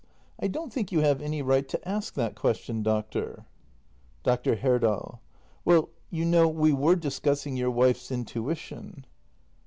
I don't think you have any right to ask that question, doctor. Dr. Herdal. Well, you know, we were discussing your wife's intui tion.